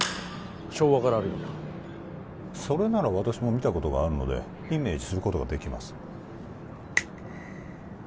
昭和からあるようなそれなら私も見たことがあるのでイメージすることができます